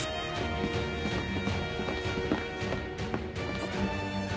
あっ。